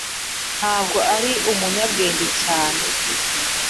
ntabwo ari umunyabwenge cyane.